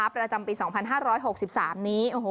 ประจำปี๒๕๖๓นี้